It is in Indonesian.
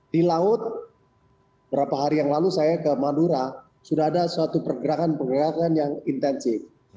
di laut beberapa hari yang lalu saya ke madura sudah ada suatu pergerakan pergerakan yang intensif